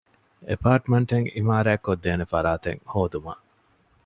އެޕާޓްމަންޓެއް ޢިމާރާތްކޮށްދޭނޭ ފަރާތެއް ހޯދުމަށް